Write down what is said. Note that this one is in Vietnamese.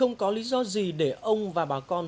ông già không được bón